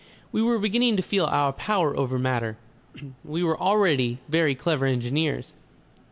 "We were beginning to feel our power over matter. We were already very clever engineers.